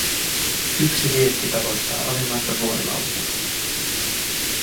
Yksi liekki tavoittaa alimmaista vuorilautaa.